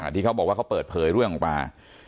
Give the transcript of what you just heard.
ที่เขาบอกว่าเขาเปิดเผยเรื่องออกมา